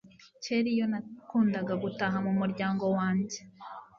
kera iyo nakundaga gutaha mumuryango wanjye